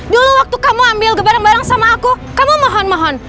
dulu waktu kamu ambil barang barang sama aku kamu mohon mohon